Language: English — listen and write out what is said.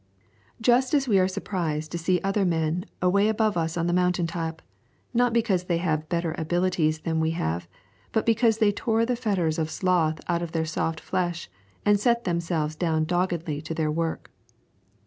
Just as we are surprised to see other men away above us on the mountain top, not because they have better abilities than we have, but because they tore the fetters of sloth out of their soft flesh and set themselves down doggedly to their work.